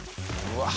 うわ。